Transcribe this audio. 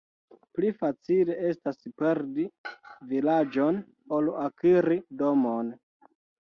Pli facile estas perdi vilaĝon, ol akiri domon.